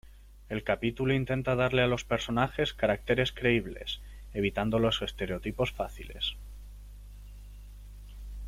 El capítulo intenta darle a los personajes caracteres creíbles, evitando los estereotipos fáciles.